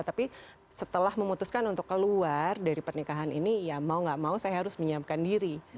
tapi setelah memutuskan untuk keluar dari pernikahan ini ya mau gak mau saya harus menyiapkan diri